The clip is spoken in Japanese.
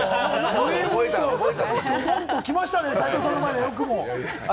ドドン！と来ましたね、斉藤さんの前で、よくも。